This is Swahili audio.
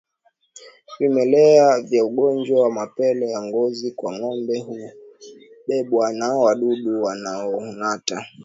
Vimelea vya ugonjwa wa mapele ya ngozi kwa ngombe hubebwa na wadudu wanaongata